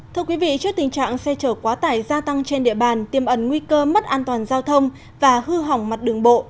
thưa quý vị trước tình trạng xe chở quá tải gia tăng trên địa bàn tiêm ẩn nguy cơ mất an toàn giao thông và hư hỏng mặt đường bộ